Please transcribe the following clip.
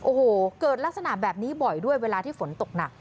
โอ้โหเกิดลักษณะแบบนี้บ่อยด้วยเวลาที่ฝนตกหนัก